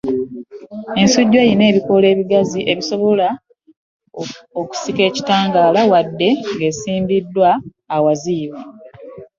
Ensujju, erina ebikoola ebigazi ebisobola okusika ekitangaala wadde ng’esimbiddwa awaziyivu.